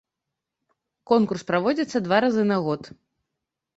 Конкурс праводзіцца два разы на год.